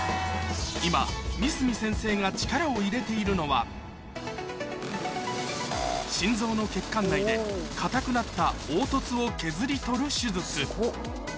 今三角先生が力を入れているのは心臓の血管内で硬くなった凹凸を削り取る手術